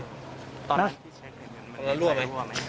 ตอนนี้ที่เช็คมันมีไฟรั่วไหม